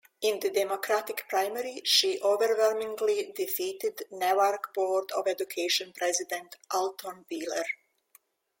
In the Democratic primary she overwhelmingly defeated Newark Board of Education President Alton Wheeler.